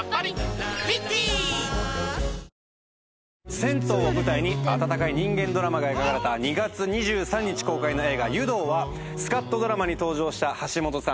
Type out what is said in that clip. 銭湯を舞台に温かい人間ドラマが描かれた２月２３日公開の映画『湯道』はスカッとドラマに登場した橋本さん。